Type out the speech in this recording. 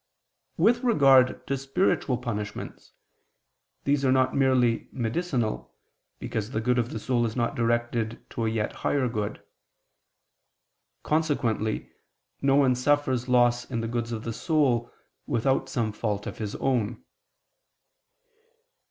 With regard to spiritual punishments, these are not merely medicinal, because the good of the soul is not directed to a yet higher good. Consequently no one suffers loss in the goods of the soul without some fault of his own.